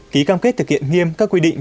ký cam kết thực hiện nghiêm các quy định